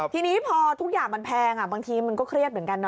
ทีนี้พอทุกอย่างมันแพงบางทีมันก็เครียดเหมือนกันนะ